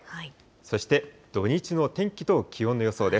そして土日の天気と気温の予想です。